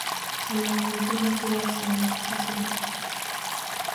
Talaffuzim uncha yaxshi emas, kechiring.